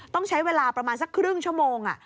ต้องใช้เวลาประมาณสักครึ่งชั่วโมง